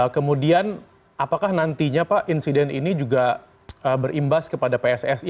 kemudian apakah nantinya pak insiden ini juga berimbas kepada pssi